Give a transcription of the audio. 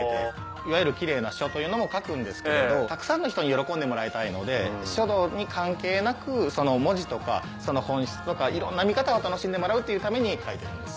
いわゆるキレイな書というのも書くんですけれどたくさんの人に喜んでもらいたいので書道に関係なく文字とかその本質とかいろんな見方を楽しんでもらうというために書いてるんです。